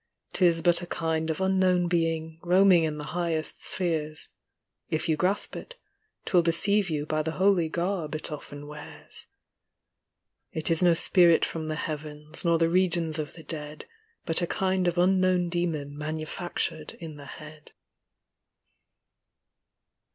'Tis but a kind of unknown being, Koaming in the highest spheres — If you grasp it, 'twill deceive you By the holy garb it often wears. It is no spirit from the heavens, Nor the regions of the dead ; But a kind of unknown demon Manufactured in the head.